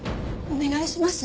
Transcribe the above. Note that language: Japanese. お願いします。